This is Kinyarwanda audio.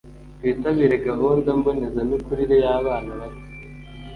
“Twitabire gahunda mbonezamikurire y’abana bato